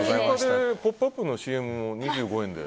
「ポップＵＰ！」のＣＭも２５円で。